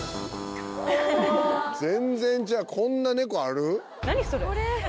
全然違うこんな猫ある？